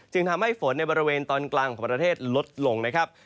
ทำให้ฝนในบริเวณตอนกลางของประเทศลดลงนะครับ